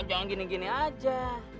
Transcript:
jangan gini gini aja